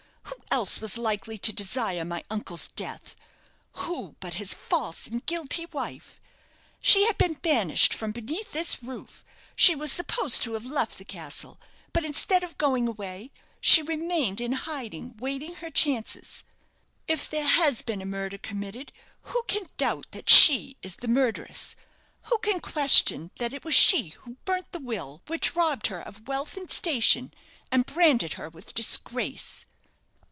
who else was likely to desire my uncle's death? Who but his false and guilty wife? She had been banished from beneath this roof; she was supposed to have left the castle; but instead of going away, she remained in hiding, waiting her chances. If there has been a murder committed, who can doubt that she is the murderess? Who can question that it was she who burnt the will which robbed her of wealth and station, and branded her with disgrace?"